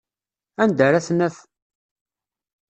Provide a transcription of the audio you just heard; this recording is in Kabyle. Anda ara t-naf?